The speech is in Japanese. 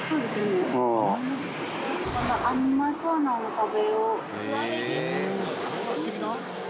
あの甘そうなの食べよう。